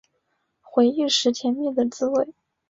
回忆时甜蜜的滋味